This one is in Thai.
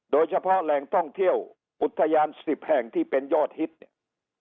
โดยเฉพาะแหล่งท่องเที่ยวอุทยาน๑๐แห่งที่เป็นยอดฮิตเนี่ย